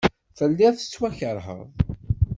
Telliḍ tettwakeṛheḍ.